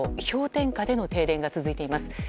氷点下での停電が続いています。